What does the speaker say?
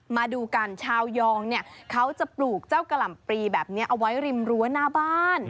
มาดูกันชาวยองเนี่ยเขาจะปลูกเจ้ากะหล่ำปลีแบบนี้เอาไว้ริมรั้วหน้าบ้าน